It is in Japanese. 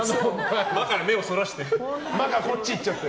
魔から目をそらして。